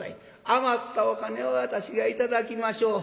余ったお金を私が頂きましょう」。